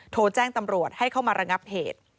โทรแจ้งตำรวจให้เข้ามาระงับเหตุ